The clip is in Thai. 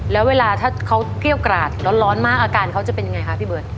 แล้วเวลาถ้าเขาเกรี้ยวกราดร้อนมากอาการเขาจะเป็นยังไงคะพี่เบิร์ต